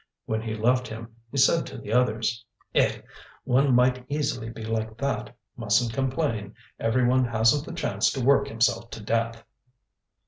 When he left him he said to the others: "Eh! one might easily be like that. Mustn't complain: every one hasn't the chance to work himself to death."